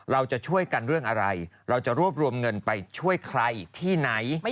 เราจะช่วยกันเรื่องอะไรเราจะรวบรวมเงินไปช่วยใครที่ไหน